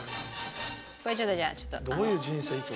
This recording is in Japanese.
これちょっとじゃあちょっと。